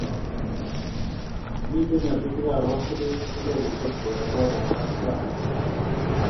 Mitei nyasutikab boskilit, che lorisiek bodaboda ak basisiek